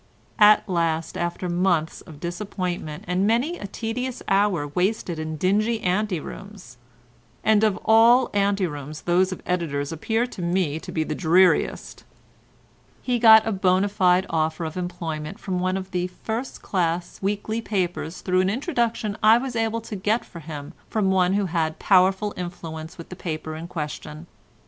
At last after months of disappointment and many a tedious hour wasted in dingy anterooms (and of all anterooms those of editors appear to me to be the dreariest), he got a bona fide offer of employment from one of the first class weekly papers through an introduction I was able to get for him from one who had powerful influence with the paper in question.